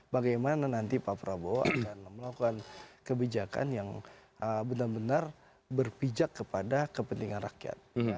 bagaimana nanti pak prabowo akan melakukan kebijakan yang benar benar berpijak kepada kepentingan rakyat